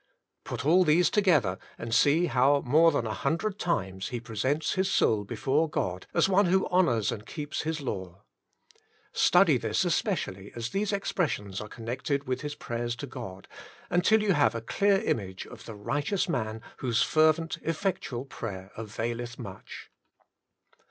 Put all these together and see how more than a hundred times he presents his soul before God as one who honours and keeps His law. Study this especially as these expressions are connected with his prayers to God, until you have a clear image of the righteous man whose fervent, effec tual prayer availeth much.